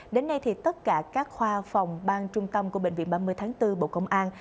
đến nay thì tất cả các khoa phòng bang trung tâm của bệnh viện ba mươi tháng bốn bộ công an